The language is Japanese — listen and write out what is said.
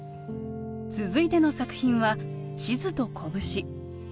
続いての作品は「地図と拳」。